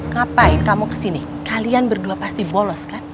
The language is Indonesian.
ngapain kamu kesini kalian berdua pasti bolos kan